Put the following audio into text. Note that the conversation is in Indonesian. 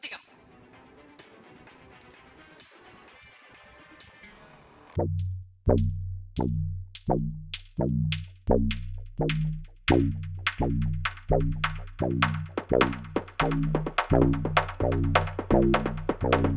kamu berhubungan dengan anak yang kertas asmita itu